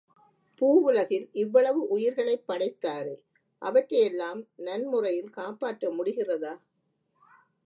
பூவுலசில் இவ்வளவு உயிர்களைப் படைத்தாரே—அவற்றையெல்லாம் நன்முறையில் காப்பாற்ற முடிகிறதா?